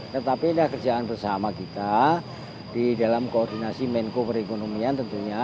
tetapi inilah kerjaan bersama kita di dalam koordinasi menko perekonomian tentunya